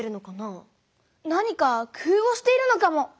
何かくふうをしているのかも。